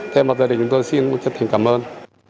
thêm một gia đình chúng tôi xin chân thành cảm ơn